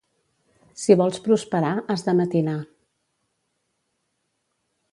Si vols prosperar, has de matinar.